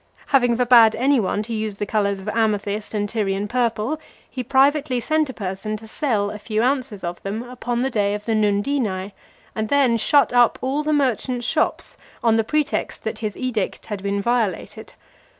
Having forbad any one to use the colours of amethyst and Tyrian purple, he privately sent a person to sell a few ounces of them upon the day of the Nundinae, and then shut up all the merchants' shops, on the pretext that his edict had been violated.